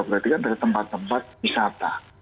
berarti kan dari tempat tempat wisata